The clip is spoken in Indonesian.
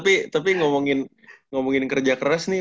tapi ngomongin kerja keras nih